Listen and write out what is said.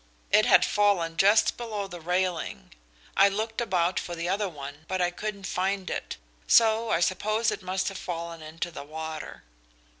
It had fallen just below the railing. I looked about for the other one, but I couldn't find it, so I suppose it must have fallen into the water."